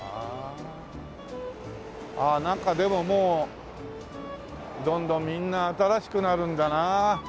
ああなんかでももうどんどんみんな新しくなるんだな。